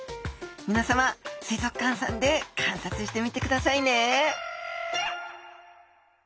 みなさま水族館さんで観察してみてくださいね